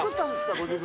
ご自分で。